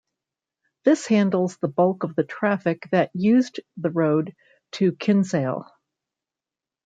This handles the bulk of the traffic that used the road to Kinsale.